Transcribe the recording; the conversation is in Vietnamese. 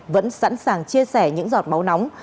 vẫn sẵn sàng chia sẻ những giọt máu nóng